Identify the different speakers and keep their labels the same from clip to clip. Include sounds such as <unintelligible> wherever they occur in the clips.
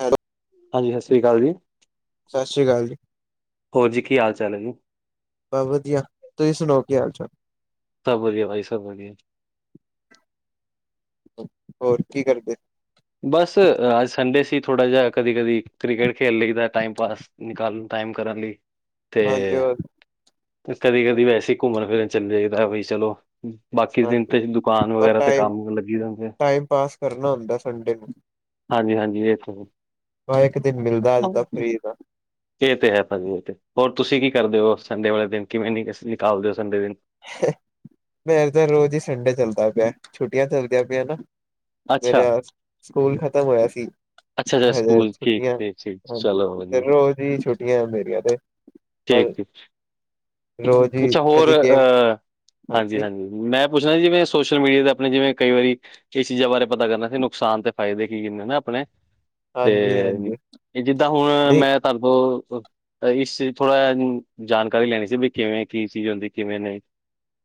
Speaker 1: Hello
Speaker 2: ਹਾਂਜੀ ਸਤਿ ਸ਼੍ਰੀ ਅਕਾਲ ਜੀ,
Speaker 1: ਸਤਿ ਸ੍ਰੀ ਅਕਾਲ ਜੀ
Speaker 2: ਹੋਰ ਜੀ ਕੀ ਹਾਲ ਚਾਲ ਹੈ ਜੀ।
Speaker 1: ਬਸ ਵਧੀਆ, ਤੁਸੀਂ ਸੁਣਾਓ ਕੀ ਹਾਲ- ਚਾਲ?
Speaker 2: ਸਭ ਵਧੀਆ ਭਾਈ ਸ ਸਭ ਵਧੀਆ।
Speaker 1: ਹੋਰ ਕੀ ਕਰਦੇ।
Speaker 2: ਬਸ ਅੱਜ ਸੰਡੇ ਸੀ ਥੋੜਾ ਜਿਹਾ ਕਦੀ- ਕਦੀ ਕ੍ਰਿਕਟ ਖੇਡ ਲਈਦਾ ਟਾਈਮ ਪਾਸ ਨਿਕਾਲ ਨ ਟਾਇਮ ਕਰਨ ਲਈ।
Speaker 1: ਹਾਂਜੀ
Speaker 2: ਤੇ,
Speaker 1: ਹੋਰ
Speaker 2: ਕਦੀ -ਕਦੀ ਵੈਸੇ ਘੁੰਮਣ- ਫਿਰਨ ਚਲੇ ਜਾਈਦਾ ਬਈ ਚਲੋ ਬਾਕੀ ਦਿਨ
Speaker 1: ਹਾਂਜੀ
Speaker 2: ਤੇ ਦੁਕਾਨ
Speaker 1: ਬਸ
Speaker 2: ਵਗੈਰਾ ਤੇ
Speaker 1: ਟਾਈਮ
Speaker 2: ਕੰਮ ਲੱਗੀ ਰੇਦੇ
Speaker 1: ਟਾਈਮ ਪਾਾਸ ਕਰਨਾ ਹੁੰਦਾ ਸੰਡੇ ਨੂੰ
Speaker 2: ਹਾਂਜੀ- ਹਾਂਜੀ ਇਹ
Speaker 1: ਹਾ ਇੱਕ ਦਿਨ ਮਿਲਦਾ ਅੱਜ ਦਾ ਫਰੀ ਦਾ
Speaker 2: ਇਹ ਤੇ ਹੈ ਭਾਜੀ ਇਹ ਤੇ। ਹੋਰ ਤੁਸੀਂ ਕੀ ਕਰਦੇ ਹੋ ਸੰਡੇ ਵਾਲੇ ਦਿਨ ਕਿਵੇਂ ਨਹੀਂ ਨਿਕਾਲਦੇ ਹੋ ਸੰਡੇ ਦਿਨ।
Speaker 1: ਮੇ ਤਾਂ ਰੋਜ਼ ਹੀ ਸੰਡੇ ਚੱਲਦਾ ਪਿਆ ਛੁੱਟੀਆਂ ਚੱਲਦੀਆਂ ਪਈਆਂ ਨਾ
Speaker 2: ਅੱਛਾ
Speaker 1: ਮੇਰਾ, ਸਕੂਲ ਖ਼ਤਮ ਹੋਇਆ ਸੀ।
Speaker 2: ਅੱਛਾ
Speaker 1: ਤੇ
Speaker 2: ਅੱਛਾ
Speaker 1: ਹਰ ਰੋਜੇ
Speaker 2: ਸਕੂਲ ਠੀਕ
Speaker 1: ਛੁੱਟੀਆਂ,
Speaker 2: ਠੀਕ ਠੀਕ
Speaker 1: ਹਾਂਜੀ
Speaker 2: ਚਲੋ
Speaker 1: ਤੇ
Speaker 2: ਵਧੀਆ
Speaker 1: ਰੋਜ਼ ਹੀ ਛੁੱਟੀਆਂ ਮੇਰੀਆਂ ਤੇ।
Speaker 2: ਠੀਕ-
Speaker 1: ਪਰ
Speaker 2: ਠੀਕ,
Speaker 1: ਰੋਜ਼ ਹੀ
Speaker 2: ਅੱਛਾ ਹੋਰ
Speaker 1: ਕਦੀ ਗੇਮ
Speaker 2: ਅ
Speaker 1: ਹਾਂਜੀ
Speaker 2: ਹਾਂਜੀ-ਹਾਂਜੀ ਮੈਂ ਪੁੱਛਣਾ ਜਿਵੇਂ ਸੋਸ਼ਲ ਮੀਡੀਆ ਤੇ ਆਪਣੇ ਜਿਵੇਂ ਕਈ ਵਾਰੀ ਇਹ ਚੀਜ਼ਾਂ ਬਾਰੇ ਪਤਾ ਕਰਨਾ ਸੀ ਨੁਕਸਾਨ ਤੇ ਫਾਇਦੇ ਕੀ- ਕੀ ਨੇ ਆਪਣੇ।
Speaker 1: ਹਾਂਜੀ
Speaker 2: ਤੇ
Speaker 1: ਹਾਂਜੀ
Speaker 2: ਜਿੱਦਾਂ ਹੁਣ
Speaker 1: ਨਹੀਂ
Speaker 2: ਮੈਂ ਤਾਡੇ ਕੋ ਇਸ ਥੋੜ੍ਹਾ ਜਾਣਕਾਰੀ ਲੈਣੀ ਸੀ। ਵੀ ਕਿਵੇਂ ਕੀ ਚੀਜ਼ ਹੁੰਦੀ ਕਿਵੇਂ ਨਹੀਂ।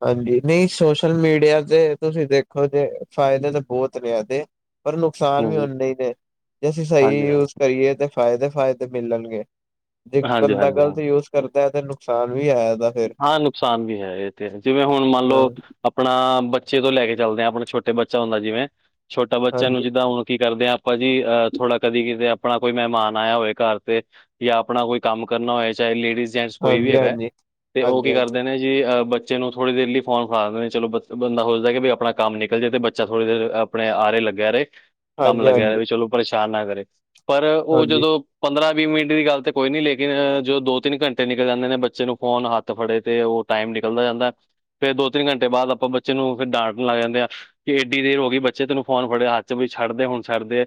Speaker 1: ਹਾਂਜੀ ਨਹੀਂ ਸੋਸ਼ਲ ਮੀਡੀਆ ਦੇ ਤੁਸੀਂ ਦੇਖੋ ਜੇ ਫਾਇਦੇ ਤਾਂ ਬਹੁਤ ਨੇ ਇਹਦੇ। ਪਰ ਨੁਕਸਾਨ ਵੀ ਉਹਨੇ ਹੀ ਨੇ ਜੇ ਅਸੀਂ ਸਹੀ
Speaker 2: ਹਾਂਜੀ-ਹਾਂਜੀ,
Speaker 1: ਯੂਜ ਕਰੀਏ ਤੇ। ਫਾਇਦੇ -ਫਾਇਦੇ ਮਿਲਣਗੇ ਜੇ ਬੰਦਾ
Speaker 2: ਹਾਂਜੀ-ਹਾਂਜੀ, ਹਾਂ।
Speaker 1: ਗ਼ਲਤ ਯੂਜ ਕਰਦਾ ਤੇ ਨੁਕਸਾਨ ਵੀ ਹੈ ਇਹਦਾ ਫੇਰ।
Speaker 2: ਹਾਂ ਨੁਕਸਾਨ ਵੀ ਹੈ। ਇਹ ਤੇ ਹੈ ਜਿਵੇਂ ਹੁਣ ਮੰਨ
Speaker 1: ਹਾਂ
Speaker 2: ਲਓ ਆਪਣਾ ਬੱਚੇ ਤੋਂ ਲੈ ਕੇ ਚਲਦੇ ਹਾਂ ਆਪਣਾ ਛੋਟੇ ਬੱਚਾ ਹੁੰਦਾ ਜਿਵੇਂ ਛੋਟਾ ਬੱਚਿਆਂ ਨੂੰ
Speaker 1: ਹਾਂਜੀ
Speaker 2: ਜਿੱਦਾਂ ਹੁਣ ਕੀ ਕਰਦੇ ਹਾਂ ਆਪਾ ਜੀ ਅਹ ਥੋੜਾ ਕਦੀ ਕਿਤੇ ਆਪਣਾ ਕੋਈ ਮਹਿਮਾਨ ਆਇਆ ਹੋਵੇ ਘਰ ਤੇ ਜਾਂ ਆਪਣਾ ਕੋਈ ਕੰਮ ਕਰਨਾ ਹੋਏ ਚਾਹੇ ਲੇਡੀਜ਼, ਜੈਟਸ਼ ਕੋਈ ਵੀ
Speaker 1: ਹਾਂਜੀ
Speaker 2: ਹੈਗਾ
Speaker 1: ਹਾਂਜੀ
Speaker 2: ਤੇ ਉਹ
Speaker 1: ਹਾਂਜੀ
Speaker 2: ਕੀ
Speaker 1: ਹਾਂਜੀ
Speaker 2: ਕਰਦੇ ਨੇ ਜੀ ਬੱਚੇ ਨੂੰ ਥੋੜ੍ਹੀ ਦੇਰ ਲਈ ਫੋਨ ਫੜਾ ਦੇਦੇ ਨੇ। ਚਲੋ ਬੰਦਾ ਸੋਚਦਾ ਕਿ ਵੀ ਆਪਣਾ ਕੰਮ ਨਿਕਲ ਜਾਵੇ ਅਤੇ ਬੱਚਾ ਥੋੜ੍ਹੀ ਦੇਰ ਆਪਣੇ ਆਰੇ ਲੱਗਿਆ ਰਹੇ ਕੰਮ ਲੱਗਿਆ
Speaker 1: ਹਾਂਜੀ
Speaker 2: ਰਹੇ ਚਲੋ ਪਰੇਸ਼ਾਨ ਨਾ ਕਰੇ। ਪਰ ਉਹ
Speaker 1: ਹਾਂਜੀ
Speaker 2: ਜਦੋਂ ਪੰਦਰਾਂ-ਵੀਹ ਮਿੰਟ ਦੀ ਗੱਲ ਤੇ ਕੋਈ ਨੀ, ਲੇਕਿਨ ਜੋ ਦੋ -ਤਿੰਨ ਘੰਟੇ ਨਿਕਲ ਜਾਂਦੇ ਨੇ ਬੱਚੇ ਨੂੰ ਫੋਨ ਹੱਥ ਫੜੇ ਤੇ ਉਹ ਟਾਈਮ ਨਿਕਲਦਾ ਜਾਂਦਾ। ਫਿਰ ਦੋ-ਤਿੰਨ ਘੰਟੇ ਬਾਅਦ ਆਪਾਂ ਬੱਚੇ ਨੂੰ ਫਿਰ ਡਾਂਟਣ ਲੱਗ ਜਾਂਦੇ ਆ। ਕਿ ਏਡੀ ਦੇਰ ਹੋ ਗਈ ਬੱਚੇ ਤੈਨੂੰ ਫੋਨ ਫੜਿਆ ਹੱਥ ਚ ਵੀ ਛਡ ਦੇ ਹੁਣ ਛੱਡ ਦੇ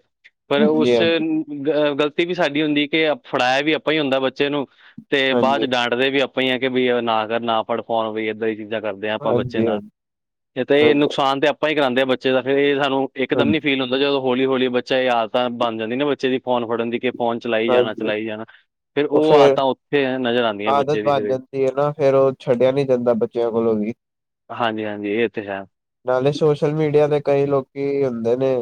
Speaker 2: ਪਰ ਉਸ ਚ
Speaker 1: ਹਾਂਜੀ
Speaker 2: ਗ਼ਲਤੀ ਵੀ ਸਾਡੀ ਹੁੰਦੀ। ਕਿ ਫੜਾਇਆ ਵੀ ਆਪਾਂ ਹੀ ਹੁੰਦਾ ਬੱਚੇ ਨੂੰ। ਤੇ ਬਾਅਦ
Speaker 1: ਹਾਂਜੀ
Speaker 2: ਚ
Speaker 1: ਹਾਂਜੀ
Speaker 2: ਡਾਂਟਦੇ ਵੀ ਆਪਾਂ ਹੀ ਆ ਕਿ ਬਈ ਨਾ ਕਰ ਨਾ ਫੜ ਫੋਨ ਬਈ ਏਦਾਂ ਹੀ। ਕਰਦੇ ਹਾਂ ਆਪਾਂ
Speaker 1: ਹਾਂਜੀ
Speaker 2: ਬੱਚੇ
Speaker 1: ਹਾਂਜੀ ਹਾਂਜੀ
Speaker 2: ਨਾਲ ਇਹ ਤੇ ਇਹ
Speaker 1: ਹਾਂਜੀ
Speaker 2: ਨੁਕਸਾਨ ਤੇ ਆਪਾਂ ਹੀ ਕਰਾਦੇ ਹਾਂ ਬੱਚੇ ਦਾ। ਫਿਰ ਇਹ ਸਾਨੂੰ ਇੱਕ ਦਮ
Speaker 1: ਹਾਂਜੀ
Speaker 2: ਫੀਲ ਹੁੰਦਾ ਜਦੋਂ ਹੌਲੀ ਹੌਲੀ ਬੱਚਾ ਯਾਦ ਤਾਂ ਬਣ ਜਾਂਦੀ ਨਾ ਬੱਚੇ ਦੀ ਫੋਨ ਫੜਨ ਦੀ ਕਿ ਫੋਨ ਚਲਾਈ
Speaker 1: ਹਾਂਜੀ
Speaker 2: ਜਾਣਾ-ਚਲਾਈ ਜਾਣਾ ਫੇਰ ਉਹ ਆਦਤਾਂ ਉੱਥੇ ਨਜ਼ਰ ਆਦੀਆਂ
Speaker 1: ਆਦਤ ਬਣ ਜਾਂਦੀ ਹੈ ਨਾ ਫੇਰ ਉਹ ਛੱਡਿਆ ਨੀ ਜਾਂਦਾ ਬੱਚਿਆਂ ਕੋਲੋਂ ਵੀ।
Speaker 2: ਹਾਂਜੀ -ਹਾਂਜੀ ਇਹ ਤੇ ਹੈ।
Speaker 1: ਨਾਲੇ ਸੋਸ਼ਲ ਮੀਡੀਆ ਤੇ ਕਈ ਲੋਕੀ ਹੁੰਦੇ ਨੇ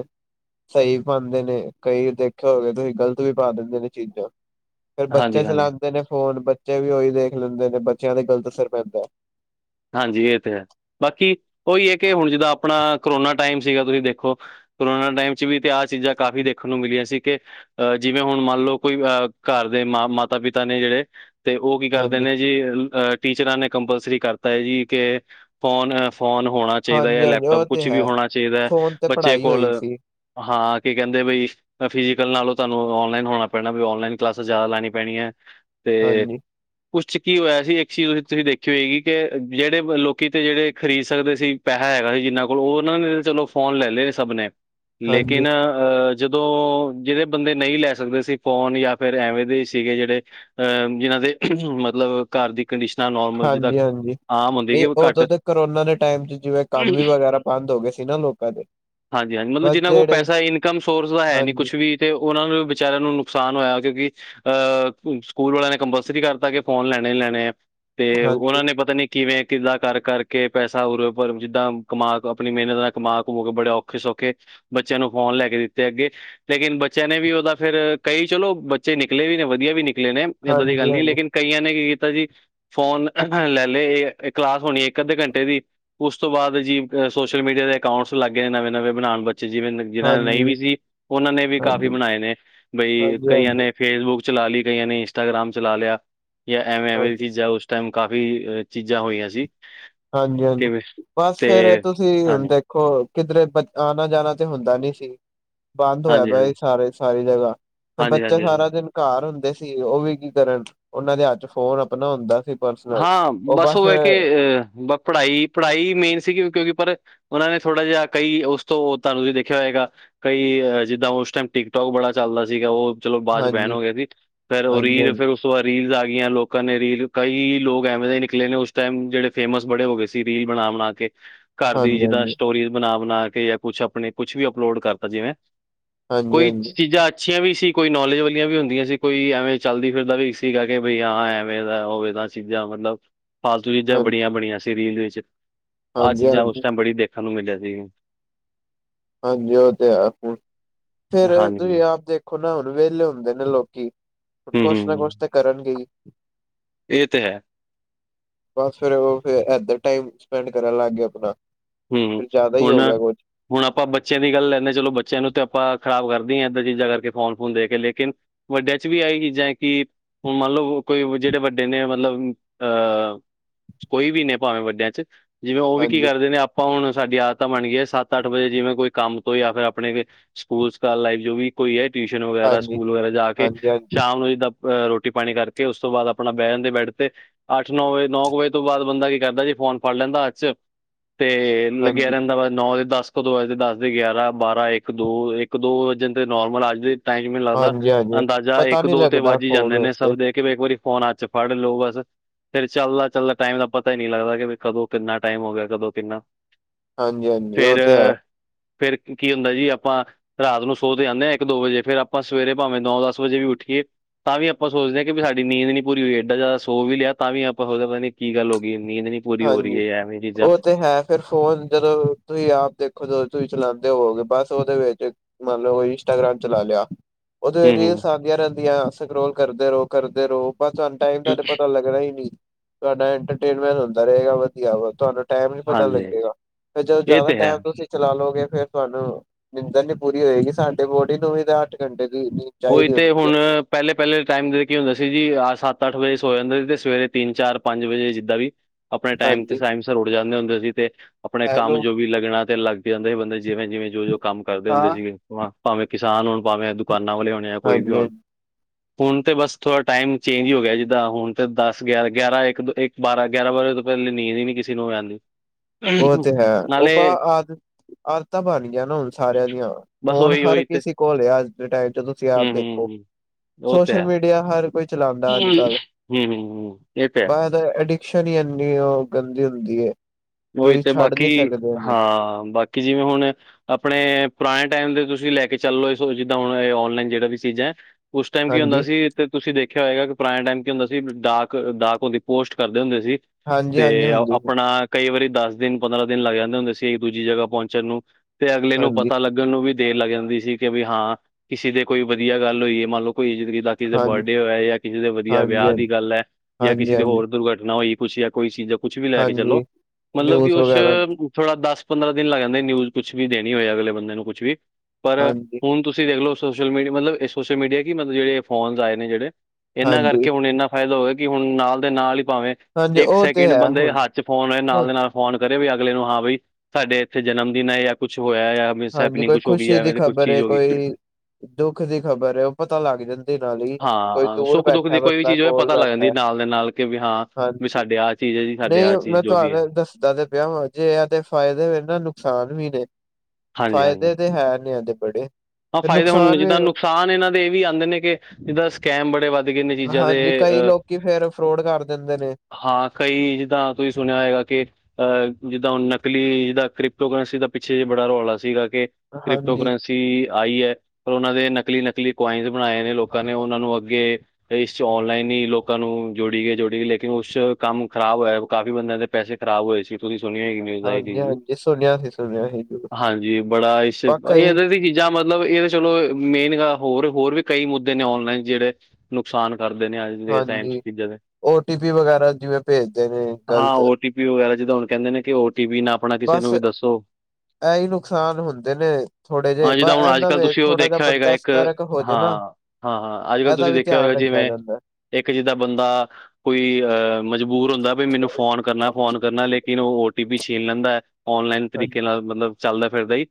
Speaker 1: ਸਹੀ ਪਾਉਂਦੇ ਨੇ ਕਈ ਦੇਖਿ ਹੋਗੇ ਤੁਸੀਂ ਗ਼ਲਤ ਵੀ ਪਾ ਦਿੰਦੇ ਨੇ ਚੀਜ਼ਾਂ। ਫੇਰ
Speaker 2: ਹਾਂਜੀ
Speaker 1: ਬੱਚੇ
Speaker 2: ਹਾਂਜੀ
Speaker 1: ਚਲਾਉਂਦੇ ਨੇ ਫੋਨ ਬੱਚੇ ਵੀ ਉਹੀ ਦੇਖ ਲੈਂਦੇ ਨੇ ਬੱਚਿਆਂ ਤੇ ਗਲਤ ਅਸਰ ਪੈਂਦਾ।
Speaker 2: ਹਾਂਜੀ ਇਹ ਤੇ ਹੈ ਬਾਕੀ ਉਹੀ ਹੈ ਕਿ ਹੁਣ ਜਿੱਦਾਂ ਆਪਣਾ ਕਰੋਨਾ ਟਾਈਮ ਸੀਗਾ ਤੁਸੀਂ ਦੇਖੋ ਕਰੋਨਾ ਟਾਈਮ ਚ ਵੀ ਤੇ ਆਹ ਚੀਜ਼ਾਂ ਕਾਫ਼ੀ ਦੇਖਣ ਨੂੰ ਮਿਲੀਆਂ ਸੀ ਕੇ ਅਹ ਜਿਵੇਂ ਹੁਣ ਮੰਨ ਲਓ ਕੋਈ ਅ ਘਰ ਦੇ ਮ ਮਾਤਾ-ਪਿਤਾ ਨੇ ਜਿਹੜੇ ਤੇ ਉਹ ਕੀ ਕਰਦੇ
Speaker 1: ਹਾਂਜੀ
Speaker 2: ਨੇ ਜੀ ਅ ਟੀਚਰਾਂ ਨੇ ਕੰਪਲਸਰੀ ਕਰ ਤਾ ਜੀ ਕਿ ਫੋਨ, ਫੋਨ ਹੋਣਾ ਚਾਹੀਦਾ ਹੈ
Speaker 1: ਹਾਂਜੀ ਹਾਂਜੀ ਉਹ
Speaker 2: ਲੈਪਟੋਪ
Speaker 1: ਤੇ
Speaker 2: ਕੁਛ ਵੀ
Speaker 1: ਹੈ
Speaker 2: ਹੋਣਾ ਚਾਹੀਦਾ ਹੈ।
Speaker 1: ਫੋਨ ਤੇ
Speaker 2: ਬੱਚੇ
Speaker 1: ਪੜ੍ਹਾਈ
Speaker 2: ਕੋਲ
Speaker 1: ਹੋਈ ਸੀ
Speaker 2: ਹਾਂ ਕੀ ਕਹਿੰਦੇ ਬਈ ਫਿਜ਼ਕਲ ਨਾਲੋਂ ਤੁਹਾਨੂੰ ਔਨਲਾਈਨ ਹੋਣਾ ਪੈਣਾ ਵੀ ਔਨਲਾਈਨ ਕਲਾਸ ਜ਼ਿਆਦਾ ਲੈਣੀ ਪੈਣੀਐ। ਤੇ
Speaker 1: ਹਾਂਜੀ
Speaker 2: ਕੁਛ ਚ ਕੀ ਹੋਇਆ ਸੀ ਇੱਕ ਚੀਜ਼ ਤੁਸੀਂ ਦੇਖੀ ਹੋਏਗੀ। ਕਿ ਜਿਹੜੇ ਲੋਕੀ ਤੇ ਜਿਹੜੇ ਖਰੀਦ ਸਕਦੇ ਸੀ। ਪੈਸਾ ਹੈਗਾ ਸੀ ਜਿਨਾਂ ਕੋਲ ਉਹ ਉਹਨਾਂ ਨੇ ਚਲੋ ਫੋਨ ਲੈ ਲਏ ਸਭ ਨੇ
Speaker 1: ਹਾਂਜੀ
Speaker 2: ਲੇਕਿਨ ਅ ਜਦੋਂ ਜੇਹੜੇ ਬੰਦੇ ਨਈ ਲੈ ਸਕਦੇ ਸੀ, ਫ਼ੋਨ ਜਾਂ ਫਿਰ ਐਵੇਂ ਦੇ ਸੀਗੇ ਜੇੜੇ ਅਹ ਜਿੰਨਾ ਦੇ ਮਤਲਬ, ਘਰ ਦੀ ਕੰਡੀਸ਼ਨ ਨੋਰਮਲ ਜਿੱਦਾਂ ਆਮ ਹੁੰਦੀ
Speaker 1: ਨਈ
Speaker 2: ਕਿ ਉਹ
Speaker 1: ਉਦੋਂ
Speaker 2: ਘੱਟ
Speaker 1: ਤਾਂ ਕਰੋਨਾ ਦੇ ਟਾਈਮ ਚ, ਜਿਵੇਂ ਕੰਮ ਵੀ ਵਗੈਰਾ ਬੰਦ ਹੋ ਗਏ ਸੀ ਨਾ ਲੋਕਾਂ ਦੇ
Speaker 2: ਹਾਂਜੀ-ਹਾਂਜੀ ਮਤਲਬ
Speaker 1: ਬਸ
Speaker 2: ਜਿਹਨਾਂ ਕੋਲ
Speaker 1: ਜਿਹੜੇ
Speaker 2: ਪੈਸਾ ਇਨਕਮ ਸੋਰਸ ਦਾ ਹੈ ਨੀ
Speaker 1: ਹਾਂਜੀ
Speaker 2: ਕੁਛ ਵੀ ਵੀ ਤੇ ਉਨਾਂ ਨੂੰ ਵਿਚਾਰਿਆਂ ਨੂੰ ਨੁਕਸਾਨ ਹੋਇਆ ਕਿਓਕੇ ਅਹ ਸਕੂਲ ਵਾਲਿਆਂ ਨੇ ਕੰਪਲਸਰੀ ਕਰਤਾ ਕਿ ਫੋਨ ਲੈਣੇ ਈ ਲੈਣੇ ਆ, ਤੇ
Speaker 1: ਹਾਂਜੀ
Speaker 2: ਓਨਾਂ ਨੇ ਪਤਾ ਪਤਾ ਨੀ ਕਿਵੇਂ ਕਿੱਦਾਂ ਕਰ ਕਰਕੇ ਪੈਸਾ ਉਰੇ ਉਰ ਜਿੱਦਾਂ, ਕਮਾ ਆਪਣੀ ਮਿਹਨਤ ਨਾਲ ਕਮਾ ਕਮੋ ਕੇ ਬੜੇ ਔਖੇ ਔਖੇ-ਸੌਖੇ ਬੱਚੇਆਂ ਨੂੰ ਫੋਨ ਲੈ ਕੇ ਦਿੱਤੇ ਆ ਅੱਗੇ ਲੇਕਿਨ ਬੱਚੇਆਂ ਨੇ ਵੀ ਓਦਾ ਫਿਰ ਕਈ ਚਲੋ ਬੱਚੇ ਨਿਕਲੇ ਵੀ ਨੇ ਵਧੀਆ ਵੀ ਨਿਕਲੇ ਨੇ। ਏਦਾਂ ਦੀ
Speaker 1: ਹਾਂਜੀ
Speaker 2: ਗੱਲ ਨੀ,
Speaker 1: ਹਾਂਜੀ
Speaker 2: ਲੇਕਿਨ ਕਈਆਂ ਨੇ ਕੀ ਕੀਤਾ ਜੀ ਫੋਨ ਲੈ ਲਏ ਆ, ਕਲਾਸ ਹੋਣੀ ਇੱਕ, ਅੱਧੇ ਘੰਟੇ ਦੀ ਓਸ ਤੋਂ ਬਾਦ ਜੀ ਸੋਸ਼ਲ ਮੀਡੀਆ ਦੇ ਅਕਾਊਂਟਸ ਲੱਗ ਗਏ ਨਵੇਂ-ਨਵੇਂ ਬਣਾਣ, ਬੱਚੇ ਜਿਵੇਂ ਜਿੰਨਾਂ ਨਈ
Speaker 1: ਹਾਂਜੀ
Speaker 2: ਵੀ ਸੀ ਓਨਾਂ ਨੇ ਵੀ ਕਾਫ਼ੀ
Speaker 1: ਹਾਂਜੀ
Speaker 2: ਬਣਾਏ ਨੇ, ਬਈ
Speaker 1: ਹਾਂਜੀ
Speaker 2: ਕਈਆਂ
Speaker 1: ਹਾਂਜੀ
Speaker 2: ਨੇ ਫੇਸਬੁੱਕ ਚਲਾ ਲਈ, ਕਈਆਂ ਨੇ ਇੰਸਟਾਗ੍ਰਾਮ ਚਲਾ ਲਿਆ ਜਾਂ ਐਵੇਂ-ਐਵੇ
Speaker 1: ਹਾਂਜੀ
Speaker 2: ਚੀਜ਼ਾਂ ਓਸ ਟਾਈਮ ਕਾਫੀ਼ ਚੀਜ਼ਾਂ ਹੋਈਆਂ ਸੀ।
Speaker 1: ਹਾਂਜੀ-ਹਾਂਜੀ,
Speaker 2: ਕਿਵੇਂ
Speaker 1: ਬਸ
Speaker 2: ਤੇ
Speaker 1: ਫੇਰ ਤੁਸੀਂ ਹੁਣ
Speaker 2: ਹਾਂਜੀ
Speaker 1: ਦੇਖ ਖੋ ਕਿਧਰੇ ਆਣਾ-ਜਾਣਾ ਤੇ ਹੁੰਦਾ ਨੀ ਸੀ। ਬੰਦ ਹੋਇਆ
Speaker 2: ਹਾਂਜੀ
Speaker 1: ਪਿਆ
Speaker 2: ਹਾਂਜੀ
Speaker 1: ਸੀ ਸਾਰੇ ਸਾਰੀ ਜਗ੍ਹਾ, ਫਿਰ
Speaker 2: ਹਾਂਜੀ
Speaker 1: ਬੱਚਾ
Speaker 2: ਹਾਂਜੀ ਹਾਂਜੀ
Speaker 1: ਸਾਰਾ ਦਿਨ ਘਰ ਹੁੰਦੇ ਸੀ ਓ ਵੀ ਕੀ ਕਰਨ, ਉਹਨਾਂ ਦੇ ਹੱਥ ਚ ਫੋ਼ਨ ਆਪਣਾ ਹੁੰਦਾ ਸੀ। ਪਰਸਨਲ।
Speaker 2: ਹਾਂ
Speaker 1: ਉਹ
Speaker 2: ਬਸ ਓ ਐ
Speaker 1: ਫਿਰ
Speaker 2: ਕਿ ਅਹ ਪੜ੍ਹਾਈ ਪੜ੍ਹਾਈ ਮੇਨ ਸੀਗੀ, ਕਿਓਕੇ ਪਰ ਉਹਨਾਂ ਨੇ ਥੋੜਾ ਜਿਆ ਕਈ ਓਸ ਤੋਂ ਤੁਆਨੂੰ ਵੀ ਦੇਖਿਆ ਹੋਏਗਾ। ਕਈ ਜਿੱਦਾਂ ਓਸ ਟਾਈਮ ਟਿਕਟੋਕ ਬੜਾ ਚੱਲਦਾ ਸੀਗਾ, ਓ ਚਲੋ ਬਾ 'ਚ ਬੈਨ
Speaker 1: ਹਾਂਜੀ,
Speaker 2: ਹੋ ਗਿਆ ਸੀ, ਫੇਰ ਓ ਰੀਲ
Speaker 1: ਹਾਂਜੀ,
Speaker 2: ਓਸ ਤੋਂ ਬਾਦ ਰੀਲਸ ਆ ਗਈਆਂ, ਲੋਕਾਂ ਨੇ ਰੀਲ ਕਈ ਲੋਕ ਐਵੇਂ ਦੇ ਈ ਨਿਕਲੇ ਨੇ ਓਸ ਟਾਈਮ, ਜੇਹੜੇ ਫੇਮਸ ਬੜੇ ਹੋ ਗਏ ਸੀ, ਰੀਲ ਬਣਾ-ਬਣਾ ਕੇ ਘਰ ਦੀ
Speaker 1: ਹਾਂਜੀ,
Speaker 2: ਜਿੱਦਾਂ
Speaker 1: ਹਾਂਜੀ,
Speaker 2: ਸਟੋਰੀ ਬਣਾ-ਬਣਾ ਕੇ, ਜਾਂ ਕੁਛ ਆਪਣੇ, ਕੁਛ ਵੀ ਅਪਲੋਡ ਕਰਤਾ ਜਿਵੇਂ
Speaker 1: ਹਾਂਜੀ,
Speaker 2: ਕੋਈ
Speaker 1: ਹਾਂਜੀ।
Speaker 2: ਚੀਜ਼ਾਂ ਅੱਛੀਆਂ ਵੀ ਸੀ ਕੋਈ ਨੌਲੇਜ ਵਾਲੀਆਂ ਵੀ ਹੁੰਦੀਆਂ ਸੀ। ਕੋਈ ਐਵੇਂ ਚੱਲਦੀ ਫਿਰਦਾ ਵੀ ਸੀਗਾ ਕਿ ਬਈ ਹਾਂ ਐਵੇਂ ਦਾ ਹੋਵੇ ਤਾਂ। ਚੀਜ਼ਾਂ ਮਤਲਬ ਫਾਲਤੂ ਚੀਜ਼ਾਂ
Speaker 1: ਹਾਂ
Speaker 2: ਬੜੀਆਂ ਬਣੀਆਂ ਸੀ ਰੀਲ ਵਿੱਚ, ਆਹ
Speaker 1: ਹਾਂਜੀ,
Speaker 2: ਚੀਜ਼ਾਂ ਓਸ
Speaker 1: ਹਾਂਜੀ,
Speaker 2: ਟਾਇਮ ਬੜੀ ਦੇਖ ਸਾਨੂੰ ਮਿਲੀਆ ਸੀ।
Speaker 1: ਹਾਂਜੀ, ਐ ਤੇ ਆ ਫਿਰ, ਚੱਲ ਰੈਣ ਦੋ
Speaker 2: ਹਾਂਜੀ ਹੂੰ
Speaker 1: ਯਾਰ ਹੁਣ ਨਾ ਹੁਣ ਵੇਹਲੇ ਹੁੰਦੇ ਨੇ ਲੋਕੀ, ਹੁਣ ਕੁਛ ਨਾ ਕੁਛ ਤਾਂ ਕਰਨਗੇ ਈ।
Speaker 2: ਏ ਤੇ ਹੈ।
Speaker 1: ਬਸ ਫੇਰ ਓ ਐਧਰ ਟਾਈਮ ਸਪੈਂਡ ਕਰਨ ਲੱਗਗੇ ਆਪਣਾ।
Speaker 2: ਹੂੰ-ਹੂੰ,
Speaker 1: ਫਿਰ ਜ਼ਿਆਦਾ ਹੀ
Speaker 2: ਹੁਣ
Speaker 1: ਹੋ
Speaker 2: ਨਾ।
Speaker 1: ਗਿਆ ਕੁਛ
Speaker 2: ਹੁਣ ਆਪਾਂ ਬੱਚੇਆਂ ਦੀ ਗੱਲ ਲੈਂਣੇ ਆ, ਚਲੋ ਬੱਚੇਆਂ ਨੂੰ ਤੇ ਆਪਾਂ ਖ਼ਰਾਬ ਕਰਦੇ ਈ ਆਂ, ਏਦਾਂ ਚੀਜ਼ਾਂ ਕਰਕੇ ਫੋਨ-ਫੂਨ ਦੇ ਕੇ ਲੇਕਿਨ ਵੱਡੇਆਂ ਚ ਵੀ ਆਏ ਚੀਜਾਂ ਕਿ ਹੁਣ ਮੰਨ ਲਓ ਕੋਈ ਜੇੜੇ ਵੱਡੇ ਨੇ, ਮਤਲਬ ਅ ਕੋਈ ਵੀ ਨੇ ਭਾਵੇਂ ਵੱਡੇਆਂ ਚ, ਜਿਵੇਂ ਓ ਵੀ ਕੀ
Speaker 1: ਹਾਂਜੀ,
Speaker 2: ਕਰਦੇ ਨੇ ਆਪ ਆਪਾਂ ਹੁਣ ਸਾਡੀ ਆਦਤਾ ਬਣ ਗੀਆ ਸੱਤ, ਅੱਠ ਵਜੇ, ਜਿਵੇਂ ਕੋਈ ਕੰਮ ਤੋਂ ਜਾਂ ਫੇਰ ਆਪਣੇ ਸਕੂਲ ਸਕ ਲਾਈਫ ਜੋ ਵੀ ਕੋਈ ਐ, ਟਿਊਸ਼ਨ ਵਗੈਰਾ
Speaker 1: ਹਾਂਜੀ,
Speaker 2: ਸਕੂਲ ਵਗੈਰਾ ਜਾ ਕੇ,
Speaker 1: ਹਾਂਜੀ, ਹਾਂਜੀ,
Speaker 2: ਸ਼ਾਮ ਨੂੰ ਜਿੱਦਾਂ ਅਹ ਰੋਟੀ-ਪਾਣੀ ਕਰਕੇ ਓਸ ਤੋਂ ਬਾਦ ਆਪਣਾ ਬੈ ਜਾਂਦੇ ਬੈਡ ਤੇ ਅੱਠ, ਨੌ ਵਜੇ ਨੌ ਕੁ ਵਜੇ ਤੋਂ ਬਾਦ ਬੰਦਾ ਕੀ ਕਰਦਾ ਜੀ, ਫੋਨ ਫੜ ਲੈਂਦਾ ਹੱਥ ਚ ਤੇ ਲੱਗਿਆ
Speaker 1: ਹਾਂਜੀ।
Speaker 2: ਰੈਦਾ ਵਾ, ਨੌ ਜਾਂ ਦਸ ਵੱਜ ਦਸ ਦੇ ਗਿਆਰਾਂ, ਬਾਰਾਂ ਇੱਕ, ਦੋ-ਇੱਕ, ਦੋ ਵਜਨ ਤੇ ਨੋਰਮਲ ਅੱਜ ਦੇ ਟਾਈਮ ਮੈਨੂੰ ਲੱਗਦਾ,
Speaker 1: ਹਾਂਜੀ, ਹਾਂਜੀ
Speaker 2: ਅੰਦਾਜ਼ਾ
Speaker 1: ਪਤਾ ਨੀ
Speaker 2: ਇੱਕ-ਦੋ ਤੇ
Speaker 1: ਲੱਗਦਾ
Speaker 2: ਵੱਜ ਈ
Speaker 1: ਫੋਨ
Speaker 2: ਜਾਂਦੇ ਨੇ
Speaker 1: ਵਿੱਚ ਤੇ
Speaker 2: ਸਭ ਦੇ ਕਿਵੇ ਇੱਕ ਵਾਰੀ ਫੋਨ ਹਥ ਚ ਫੜ ਲਓ ਬਸ। ਫੇਰ ਚੱਲਦਾ- ਚੱਲਦਾ ਟਾਈਮ ਦਾ ਪਤਾ ਹੀ ਨਹੀਂ ਲੱਗਦਾ ਕਿ ਵੀ ਕਦੋਂ ਕਿੰਨਾ ਟਾਈਮ ਹੋ ਗਿਆ ਕਦੋਂ ਕਿੰਨਾ
Speaker 1: ਹਾਂਜੀ-ਹਾਂਜੀ ਉਹ ਤੇ ਹੈ
Speaker 2: ਫੇਰ- ਫੇਰ ਕੀ ਹੁੰਦਾ ਜੀ ਆਪਾਂ ਰਾਤ ਨੂੰ ਸੌ ਤੇ ਜਾਦੇ ਹਾਂ ਇੱਕ-ਦੋ ਵਜੇ ਫੇਰ ਆਪਾਂ ਸਵੇਰੇ ਭਾਵੇਂ ਨੌ-ਦਸ ਵਜੇ ਵੀ ਉੱਠੀਏ ਤਾਂ ਵੀ ਆਪਾਂ ਸੋਚਦੇ ਹਾਂ ਕਿ ਵੀ ਸਾਡੀ ਨੀਂਦ ਨੀ ਪੂਰੀ ਹੋਈ ਏਡਾ ਜ਼ਿਆਦਾ ਸੋ ਵੀ ਲਿਆ ਤਾਂ ਵੀ ਆਪਾਂ ਸੋਚਦੇ ਪਤਾ ਨਹੀਂ ਕੀ ਗੱਲ ਹੋ ਗਈ ਨੀਂਦ ਨੀ ਪੂਰੀ ਹੋ ਰਹੀ ਹੈ ਯਾ ਐਵੇਂ ਚੀਜ਼ਾਂ
Speaker 1: ਫੇਰ ਫੋਨ ਜਦੋਂ ਤੁਸੀਂ ਆਪ ਦੇਖੋ ਜਦੋਂ ਤੁਸੀਂ ਚਲਾਉਂਦੇ ਹੋਵੋਗੇ ਬਸ ਉਹਦੇ ਵਿੱਚ ਮੰਨ ਲਉ ਇੰਸਟਾਗ੍ਰਾਮ ਚਲਾ ਲਿਆ। ਉਹਦੇ
Speaker 2: ਹੂੰ
Speaker 1: ਰੀਲਸ
Speaker 2: ਹੂੰ
Speaker 1: ਆਉਂਦੀਆਂ ਰਹਿੰਦੀਆਂ ਸਕਰੋਲ ਕਰਦੇ ਰਹੋ-ਕਰਦੇ ਰਹੋ ਪਰ ਤੁਹਾਨੂੰ ਟਾਈਮ ਤੁਹਾਨੂੰ ਪਤਾ ਲੱ ਗਣਾ ਵੀ ਨੀ ਤੁਹਾਡਾ ਇੰਟਰਟੇਨਮੈਂਟ ਹੁੰਦਾ ਰਹੇਗਾ ਵਧੀਆ ਵਾ ਟਾਈਮ ਨੀ ਪਤਾ
Speaker 2: ਹਾਂਜੀ
Speaker 1: ਲੱਗੇਗਾ ਫੇਰ ਜਦੋਂ
Speaker 2: ਇਹ
Speaker 1: ਜ਼ਿਆਦਾ
Speaker 2: ਤੇ ਹੈ
Speaker 1: ਟਾਈਮ ਤੁਸੀਂ ਚਲਾ ਲਓਗੇ ਫੇਰ ਤੁਹਾਨੂੰ ਨਿੰਦਰ‌ ਨੀ ਪੂਰੀ ਹੋਏਗੀ ਸਾਡੇ ਬੋਡੀ ਨੂੰ ਵੀ ਤਾਂ ਅੱਠ ਘੰਟੇ ਦੀ ਨੀਂਦ
Speaker 2: ਉਹੀ
Speaker 1: ਚਾਹੀਦੀ
Speaker 2: ਤੇ
Speaker 1: ਹੁੰਦੀ ਹੈ
Speaker 2: ਹੁਣ ਪਹਿਲੇ- ਪਹਿਲੇ ਟਾਈਮ ਦੇ ਕੀ ਹੁੰਦਾ ਸੀ ਜੀ ਸੱਤ-ਅੱਠ ਵਜੇ ਸੋ ਜਾਂਦਾ ਸੀ ਤੇ ਸਵੇਰੇ ਤਿੰਨ- ਚਾਰ- ਪੰਜ ਵਜੇ ਜਿੱਦਾਂ ਵੀ ਆਪਣੇ ਟਾਈਮ ਤੇ
Speaker 1: ਹਾਂਜੀ
Speaker 2: ਸਾਈਮ ਸਰ ਉੱਠ ਜਾਂਦੇ ਹੁੰਦੇ ਸੀ ਤੇ ਆਪਣੇ ਕੰਮ
Speaker 1: ਹੈਲੋ
Speaker 2: ਜੋ ਵੀ ਲੱਗਣਾ ਤੇ ਲੱਗ ਜਾਂਦੇ ਬੰਦੇ ਜਿਵੇਂ-ਜਿਵੇਂ ਜੋ- ਜੋ ਕੰਮ ਕਰਦੇ
Speaker 1: ਹਾਂ
Speaker 2: ਹੁੰਦੇ ਸੀਗੇ ਭਾਵੇਂ ਕਿਸਾਨ ਹੋਣ ਭਾਵੇਂ ਦੁਕਾਨਾਂ ਵਾਲੇ ਹੋਣ। ਜਾਂ ਕੋਈ ਵੀ ਹੋਣ।
Speaker 1: <inaudible>
Speaker 2: ਹੁਣ ਤੇ ਬਸ ਥੋੜਾ ਟਾਈਮ ਚੇਂਜ ਈ ਹੋ ਗਿਆ ਜਿੱਦਾਂ ਹੁਣ ਤੇ ਦਸ-ਗਿਆਰਾਂ, ਗਿਆਰਾਂ- ਇੱਕ -ਦੋ -ਇੱਕ ਬਾਰਾਂ-ਗਿਆਰਾਂ ਵਜੇ ਤੋਂ ਪਹਿਲੇ ਨੀਂਦ ਹੀ ਨੀ ਕਿਸੇ ਨੂੰ ਨਹੀਂ ਆਦੀ।
Speaker 1: ਉਹ ਤੇ ਹੈ, ਉਹ ਤਾਂ ਆਦਤ ਆਦਤਾਂ ਬਣ ਗਈਆਂ ਨਾ ਹੁਣ ਸਾਰਿਆਂ ਦੀਆਂ,
Speaker 2: ਬਸ
Speaker 1: ਹੁਣ
Speaker 2: ਉਹੀ
Speaker 1: ਹਰ
Speaker 2: ਉਹੀ ਤੇ
Speaker 1: ਕਿਸੇ ਕੋਲ ਆ ਅੱਜ ਦੇ ਟਾਈਮ ਚ ਜੀ। ਤੁਸੀਂ ਆਪ
Speaker 2: ਹਮ ਹਮ
Speaker 1: ਦੇਖੋ।
Speaker 2: ਹਮ ਉਹ ਤੇ
Speaker 1: ਸੋਸ਼ਲ
Speaker 2: ਹੈ
Speaker 1: ਮੀਡੀਆ ਹਰ ਕੋਈ ਚਲਾਉਂਦਾ ਅੱਜ
Speaker 2: ਹਮ
Speaker 1: ਕੱਲ,
Speaker 2: ਹਮ ਹਮ ਇਹ ਤੇ ਹੈ
Speaker 1: ਪਰ- ਅਡਿਕਸ਼ਨ ਈ ਐਨੀ ਓਹ ਗੰਦੀ ਹੁੰਦੀ ਏ।
Speaker 2: ਉਹੀ ਤੇ ਬਾਕੀ ਹਾਂ ਬਾਕੀ ਜਿਵੇਂ ਹੁਣ ਆਪਣੇ ਪੁਰਾਣੇ ਟਾਈਮ ਦੇ ਤੁਸੀਂ ਲੈ ਕੇ ਚੱਲੋ ਜਿੱਦਾਂ ਹੁਣ ਔਨਲਾਈਨ ਜਿਹੜਾ ਵੀ ਚੀਜ਼ਾਂ ਏ। ਉਸ ਟਾਈਮ ਕੀ ਹੁੰਦਾ
Speaker 1: ਹਾਂਜੀ
Speaker 2: ਸੀ। ਤੇ ਤੁਸੀਂ ਦੇਖਿਆ ਹੋਏਗਾ ਕਿ, ਪੁਰਾਣੇ ਟਾਈਮ ਕੀ ਹੁੰਦਾ ਸੀ ਇਕ ਡਾਕ-ਡਾਕ ਹੁੰਦੀ ਪੋਸਟ ਕਰਦੇ ਹੁੰਦੇ ਸੀ।
Speaker 1: ਹਾਂਜੀ
Speaker 2: ਤੇ
Speaker 1: ਹਾਂਜੀ ਹੁੰਦੀ ਸੀ
Speaker 2: ਆਪਣਾ ਕਈ ਵਾਰੀ ਦਸ ਦਿਨ-ਪੰਦਰਾਂ ਦਿਨ ਲੱਗ ਜਾਂਦੇ ਹੁੰਦੇ ਸੀ ਇੱਕ ਦੂਜੀ ਜਗਾ ਪਹੁੰਚਣ ਨੂੰ ਤੇ ਅਗਲੇ ਨੂੰ
Speaker 1: ਹਾਂਜੀ
Speaker 2: ਪਤਾ ਲੱਗ ਲੱਣ ਨੂੰ ਵੀ ਦੇਰ ਲੱਗ ਜਾਂਦੀ ਸੀ ਕਿ ਹਾਂ ਕਿਸੇ ਦੇ ਕੋਈ ਵਧੀਆ ਗੱਲ ਹੋਈਏ, ਮੰਨ ਲਓ ਕੋਈ ਇੱਤ ਯਾਂ ਕਿਸੇ ਦਾ
Speaker 1: ਹਾਂਜੀ
Speaker 2: ਬਰਡੇ ਹੋਇਆ ਜਾਂ ਕਿਸੇ ਦੇ ਵਧੀਆ
Speaker 1: ਹਾਂਜੀ
Speaker 2: ਵਿਆਹ ਦੀ
Speaker 1: ਹਾਂਜੀ
Speaker 2: ਗੱਲ ਹੈ ਜਾਂ
Speaker 1: ਹਾਂਜੀ
Speaker 2: ਕਿਸੇ ਦੀ
Speaker 1: ਹਾਂਜੀ
Speaker 2: ਹੋਰ ਦੁਰਘਟਨਾ ਹੋਈ। ਖੂਛਿਆ ਕੋਈ ਚੀਜ਼ ਜਾਂ ਕੁਛ ਵੀ ਲੈ ਕੇ ਚਲੋ
Speaker 1: ਹਾਂਜੀ
Speaker 2: ਮਤਲਬ ਕਿ
Speaker 1: ਨਿਊਜ਼
Speaker 2: ਉਸ
Speaker 1: ਵਗੈਰਾ
Speaker 2: ਥੋੜਾ ਦਸ-ਪੰਦਰਾਂ ਦਿਨ ਲੱਗ ਜਾਂਦੇ ਨਿਊਜ਼ ਕੁਛ ਵੀ ਦੇਣੀ ਹੋਏ ਅਗਲੇ ਬੰਦੇ ਨੂੰ ਕੁਛ ਵੀ ਪਰ
Speaker 1: ਹਾਂਜੀ
Speaker 2: ਹੁਣ ਤੁਸੀਂ ਦੇਖ ਲਓ ਸੋਸ਼ਲ ਮੀਡੀਆ ਮਤਲਬ ਇਹ ਸੋਸ਼ਲ ਮੀਡੀਆ ਕਿ ਮਤਲਬ ਜਿਹੜੇ ਫੋਨਸ ਆਏ ਨੇ ਜਿਹੜੇ ਇਹਨਾਂ
Speaker 1: ਹਾਂਜੀ
Speaker 2: ਕਰਕੇ ਹੁਣ ਇੰਨਾ ਫਾਇਦਾ ਹੋਵੇ ਕਿ ਹੁਣ ਨਾਲ ਦੇ ਨਾਲ ਹੀ ਭਾਵੇਂ,
Speaker 1: ਹਾਂਜੀ
Speaker 2: ਇੱਕ
Speaker 1: ਉਹ ਤੇ
Speaker 2: ਸੈਕਿੰਡ
Speaker 1: ਹੈ
Speaker 2: ਬੰਦੇ
Speaker 1: ਹੁਣ
Speaker 2: ਹੱਥ ਚ ਫੋਨ ਹੋਏ
Speaker 1: ਹੁਣ
Speaker 2: ਨਾਲ ਦੇ ਨਾਲ ਫੋਨ ਕਰੇ ਵੀ ਅਗਲੇ ਨੂੰ ਹਾਂ ਵੀ ਸਾਡੇ ਇੱਥੇ ਜਨਮ ਦਿਨ ਹੈ ਜਾਂ ਕੁਛ ਹੋਇਆ ਜਾਂ ਮਿਸ
Speaker 1: ਹਾਂਜੀ
Speaker 2: ਹੈਪਨਿੰਗ
Speaker 1: ਕੋਈ
Speaker 2: ਕੁਛ ਹੋ ਗਈ
Speaker 1: ਖੁਸ਼ੀ ਦੀ
Speaker 2: ਐਵੇਂ ਕੁਛ
Speaker 1: ਖ਼ਬਰ
Speaker 2: ਚੀਜ਼
Speaker 1: ਏ
Speaker 2: ਹੋ ਗਈ
Speaker 1: ਕੋਈ ਦੁੱਖ ਦੀ ਖ਼ਬਰ ਏ ਉਹ ਪਤਾ ਲੱਗ ਜਾਂਦੀ ਨਾਲ ਹੀ ਕੋਈ
Speaker 2: ਹਾਂ
Speaker 1: ਦੂਰ
Speaker 2: ਸੁੱਖ ਦੁੱਖ ਦੀ
Speaker 1: ਬੈਠਾ
Speaker 2: ਕੋਈ ਵੀ
Speaker 1: ਬੰਦਾ
Speaker 2: ਚੀਜ਼ ਹੋਵੇ
Speaker 1: ਕੋਲ
Speaker 2: ਪਤਾ ਲੱਗ ਜਾਂਦੀ
Speaker 1: ਬੈਠਾ।
Speaker 2: ਨਾਲ ਦੇ ਨਾਲ ਵੀ ਹਾਂ, ਵੀ
Speaker 1: ਹਾਂਜੀ
Speaker 2: ਸਾਡੇ ਆਹ ਚੀਜ਼ ਹੈ ਜੀ ਸਾਡੇ
Speaker 1: ਨਹੀਂ
Speaker 2: ਆਹ ਚੀਜ਼
Speaker 1: ਮੈਂ
Speaker 2: ਜੋ ਵੀ ਹੈ।
Speaker 1: ਤੁਹਾਨੂੰ ਦੱਸਦਾ ਤੇ ਪਿਆ ਵਾ ਜੇ ਐਦੇ ਫਾਇਦੇ ਹੈ ਨਾ ਨੁਕਸਾਨ ਵੀ ਨੇ।
Speaker 2: ਹਾਂਜੀ ਹਾਂਜੀ
Speaker 1: ਫ਼ਾਇਦੇ ਤੇ ਹੈ ਨੀ ਇਹਦੇ ਬੜੇ।
Speaker 2: ਹਾਂ
Speaker 1: ਫਿਰ
Speaker 2: ਫਾਇਦੇ ਹੁਣ ਨੇ
Speaker 1: ਨੁਕਸਾਨ ਵੀ
Speaker 2: ਜਿੱਦਾਂ ਨੁਕਸਾਨ ਇਹਨਾਂ ਦੇ ਇਹ ਵੀ ਆਂਦੇ ਨੇ ਕਿ ਜਿੱਦਾਂ ਸਕੈਮ ਬੜੇ ਵੱਧ ਗਏ ਨੇ ਚੀਜ਼ਾਂ ਦੇ ਅ
Speaker 1: ਕਿ ਫੇਰ ਫਰੋਡ ਕਰ ਦਿੰਦੇ ਨੇ।
Speaker 2: ਹਾਂ, ਕਈ ਜਿੱਦਾਂ ਤੁਸੀਂ ਸੁਣਿਆ ਹੋਏਗਾ ਕੇ ਅਹ ਜਿੱਦਾਂ ਹੁਣ ਨਕਲੀ ਜਿੱਦਾਂ ਕ੍ਰਿਪਟੋ ਕਰੰਸੀ ਦਾ ਪਿੱਛੇ ਜੇ ਬੜਾ ਰੌਲਾ ਸੀਗਾ ਕੇ ਕ੍ਰਿਪਟੋ
Speaker 1: ਹਾਂਜੀ
Speaker 2: ਕਰੈਂਸੀ। ਆਈ ਐ, ਔਰ ਉਹਨਾਂ ਦੇ ਨਕਲੀ - ਨਕਲੀ ਕੁਆਇਨਸ ਬਣਾਏ ਨੇ ਲੋਕਾਂ ਨੇ ਉਹਨਾਂ ਨੂੰ ਅੱਗੇ ਇਸ 'ਚ ਔਨਲਾਈਨ ਹੀ ਲੋਕਾਂ ਨੂੰ ਜੋੜੀ ਗਏ- ਜੋੜੀ ਗਏ ਲੇਕਿਨ ਉਸ ਚ ਕੰਮ ਖ਼ਰਾਬ ਹੋਇਆ ਕਾਫ਼ੀ ਬੰਦਿਆਂ ਦੇ ਪੈਸੇ ਖਰਾਬ ਹੋਏ ਸੀ। ਤੁਸੀ ਸੁਣੀਏ ਈ
Speaker 1: ਹਾਂਜੀ
Speaker 2: ਓ।
Speaker 1: ਹਾਂਜੀ ਸੁਣਿਆ ਸੀ ਸੁਣਿਆ ਸੀ
Speaker 2: <unintelligible> ਹਾਂਜੀ ਬੜਾ ਇਸ
Speaker 1: ਵਾ ਕਈ
Speaker 2: ਇਹਦਰ ਦੀ ਜਾਂ ਮਤਲਬ ਇਹ ਤਾਂ ਚਲੋ ਮੇਨ ਗੱਲ ਹੋਰ-ਹੋਰ ਵੀ ਕਈ ਮੁੱਦੇ ਨੇ ਔਨਲਾਈਨ ਜਿਹੜੇ ਨੁਕਸਾਨ ਕਰਦੇ ਨੇ ਅੱਜ ਦੇ ਟਾਈਮ 'ਚ
Speaker 1: ਹਾਂਜੀ
Speaker 2: ਚੀਜ਼ਾਂ ਦੇ
Speaker 1: ਓ ਟੀ ਪੀ ਵਗੈਰਾ ਜਿਵੇਂ ਭੇਜਦੇ ਨੇ,
Speaker 2: ਹਾਂ
Speaker 1: ਗ਼ਲਤ।
Speaker 2: ਓ ਟੀ ਵਗੈਰਾ ਜਿੱਦਾਂ ਹੁਣ ਕਹਿੰਦੇ ਨੇ, ਕਿ ਉਹ ਟੀ ਵੀ ਨਾ ਆਪਣਾ ਕਿਸੇ ਨੂੰ ਵੀ ਦੱਸੋ।
Speaker 1: ਐਹੀ ਨੁਕਸਾਨ ਹੁੰਦੇ ਨੇ। ਥੋੜੇ ਜਿਹੇ
Speaker 2: ਹਾਂ
Speaker 1: ਬ
Speaker 2: ਜਿੱਦਾਂ ਹੁਣ ਅੱਜ
Speaker 1: ਇਹਨਾਂ
Speaker 2: ਕੱਲ੍ਹ
Speaker 1: ਵੀ
Speaker 2: ਤੁਸੀਂ ਉਹ
Speaker 1: ਥੋੜਾ ਜਿਹਾ
Speaker 2: ਦੇਖਿਆ ਹੋਏਗਾ
Speaker 1: ਬੰਦਾ
Speaker 2: ਇੱਕ
Speaker 1: ਸਤਰਕ ਹੋ
Speaker 2: ਹਾਂ
Speaker 1: ਜੇ ਨਾ,
Speaker 2: ਹਾਂ ਹਾਂ ਅੱਜ ਕੱਲ੍ਹ
Speaker 1: ਇਹਦਾ
Speaker 2: ਤੁਸੀਂ
Speaker 1: ਵੀ
Speaker 2: ਦੇਖਿਆ
Speaker 1: ਧਿਆਨ
Speaker 2: ਹੋਏਗਾ
Speaker 1: ਰੱਖਿਆ
Speaker 2: ਜਿਵੇਂ
Speaker 1: ਜਾਂਦਾ ਹੈ।
Speaker 2: ਇੱਕ ਜਿੱਦਾਂ ਬੰਦਾ ਕੋਈ ਅਹ ਮਜਬੂਰ ਹੁੰਦਾ। ਬਈ ਮੈਨੂੰ ਫੋਨ ਕਰਨਾ- ਫੋਨ ਕਰਨਾ ਲੇਕ ਕਿਨ ਓ ਟੀ ਪੀ ਛੀਨ ਲੈਂਦਾ। ਔਨਲਾਈਨ
Speaker 1: ਹਾਂਜੀ
Speaker 2: ਤਰੀਕੇ ਨਾਲ ਮਤਲਬ ਚੱਲਦਾ ਫਿਰਦਾ ਹੀ,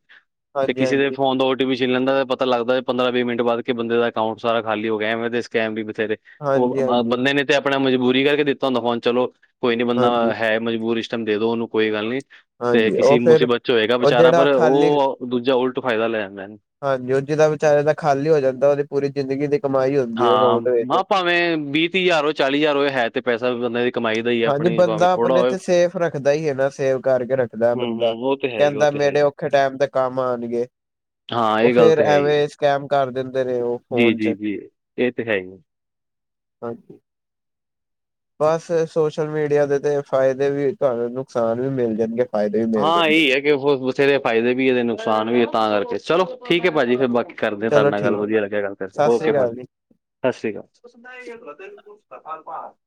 Speaker 2: ਤੇ
Speaker 1: ਹਾਂਜੀ
Speaker 2: ਕਿਸੇ ਦੇ
Speaker 1: ਹਾਂਜੀ
Speaker 2: ਉਦਾਂ ੳ ਟੀ ਨੀ ਛੀਨ ਲੈਂਦਾ ਪਤਾ ਲੱਗਦਾ ਪੰਦਰਾਂ- ਵੀਹ ਮਿੰਟ ਬਾਅਦ ਕਿ ਬੰਦੇ ਦਾ ਅਕਾਊਂਟ ਸਾਰ ਖਾਲੀ ਹੋ ਗਿਆ ਐਵੇਂ ਦੇ ਸਕੈਮ ਵੀ ਬਥੇਰੇ ਉਹ
Speaker 1: ਹਾਂਜੀ ਹਾਂਜੀ
Speaker 2: ਬੰਦੇ ਨੇ ਤੇ ਆਪਣਾ ਮਜਬੂਰੀ ਕਰਕੇ ਦਿੱਤਾ ਹੁੰਦਾ, ਫੋਨ ਚਲੋ ਕੋਈ ਨੀ ਬੰਦਾ
Speaker 1: ਹਾਂਜੀ
Speaker 2: ਹੈ। ਮਜਬੂਰ ਇਸਟਮ ਦੇ ਦੋ ਉਹਨੂੰ ਕੋਈ ਗੱਲ ਨੀ। ਤੇ
Speaker 1: ਹਾਂਜੀ
Speaker 2: ਕਿਸੇ
Speaker 1: ਉਹ ਫੇਰ
Speaker 2: ਮੁਸੀਬਤ ਚ ਹੋਏਗਾ
Speaker 1: ਉਹ
Speaker 2: ਵਿਚਾਰਾ
Speaker 1: ਜਿਹੜਾ
Speaker 2: ਪਰ,
Speaker 1: ਖਾਲੀ
Speaker 2: ਉਹ ਦੂਜਾ ਉਲਟ ਫਾਇਦਾ ਲੈ ਜਾਂਦਾ ਨਾ।
Speaker 1: ਹਾਂਜੀ ਉਹ ਜਿੱਦਾਂ ਵਿਚਾਰੇ ਦਾ ਖਾਲੀ ਹੋ ਜਾਂਦਾ ਉਹਦੀ ਪੂਰੀ ਜ਼ਿੰਦਗੀ ਦੀ ਕਮਾਈ ਹੁੰਦੀ ਹੈ। ਅਕਾਊਂਟ ਵਿੱਚ।
Speaker 2: ਐ ਵੀਹ- ਤੀਹ ਹਜ਼ਾਰ ਹੋ ਚਾਲੀ ਹਜ਼ਾਰ ਹੋ, ਹੈ ਤੇ ਪੈਸਾ ਬੰਦਾ ਵੀ-
Speaker 1: ਹਾਂਜੀ ਬੰਦਾ ਆਪਣੇ ਤੇ ਸੇਫ ਰੱਖਦਾ ਹੀ ਹੈਨਾ, ਸੇਫ ਕਰਕੇ ਰੱਖਦਾ
Speaker 2: ਹੂੰ ਹੂੰ
Speaker 1: ਬੰਦਾ,
Speaker 2: ਉਹ ਤੇ ਹੈ ਹੀ ਉਹ
Speaker 1: ਕਹਿੰਦਾ
Speaker 2: ਤੇ ਹੈ
Speaker 1: ਮੇਰੇ
Speaker 2: ਹੀ
Speaker 1: ਖਾ ਟਾਮ ਤੇ ਕੰਮ ਆਉਣਗੇ।
Speaker 2: ਹਾਂ ਇਹ ਗੱਲ ਤੇ ਹੈ। ਹੀ
Speaker 1: ਐਵੇ ਸਕੈਮ ਕਰ ਦਿੰਦੇ ਨੇ, ਉਹ।
Speaker 2: ਜੀ-
Speaker 1: ਫੋਨ
Speaker 2: ਜੀ,
Speaker 1: ਚ
Speaker 2: ਜੀ ਇਹ ਤੇ ਹੈ ਈ ਐ।
Speaker 1: ਹਾਂਜੀ। ਬਸ ਸੋਸ਼ਲ ਮੀਡੀਆ ਦੇ ਤੇ ਫਾਇਦੇ ਵੀ ਤੁਹਾਨੂੰ ਨੁਕਸਾਨ ਵੀ ਮਿਲ ਜਾਣਗੇ। ਫਾਇਦੇ ਵੀ ਮਿਲ
Speaker 2: ਹਾਂ,
Speaker 1: ਜਾਣਗੇ
Speaker 2: ਇਹੀ ਹੈ ਕਿ ਹੋ ਬਥੇਰੇ ਫਾਇਦੇ ਵੀ ਹੈ ਨੁਕਸਾਨ ਵੀ ਹੈ ਤਾਂ ਕਰਕੇ, ਚਲੋ ਠੀਕ ਹੈ ਭਾਜੀ ਫੇਰ ਬਾਕੀ ਕਰਦੇ ਆ ਤਾਡੇ
Speaker 1: ਚਲੋ
Speaker 2: ਨਾਲ ਗੱਲ
Speaker 1: ਠੀਕ ਹੈ
Speaker 2: ਵਧੀਆ ਲੱਗਿਆ ਗੱਲ ਕਰਕੇ
Speaker 1: ਸਤਿ ਸ੍ਰੀ
Speaker 2: ਓਕੇ ਫੇਰ।
Speaker 1: ਅਕਾਲ ਜੀ
Speaker 2: ਸਸੀ ਕਾਲ ਤ ਸ਼੍ਰੀਕਾਲਪ ਪ੍ਰਪ।